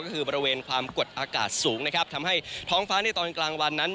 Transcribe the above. ก็คือบริเวณความกดอากาศสูงนะครับทำให้ท้องฟ้าในตอนกลางวันนั้น